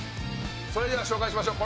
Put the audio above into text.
それでは紹介しましょう。